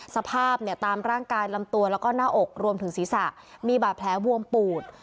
สภาพเนี่ยตามร่างกายลำตัวแล้วก็หน้าอกรวมถึงศีรษะมีบาดแผลบวมปูด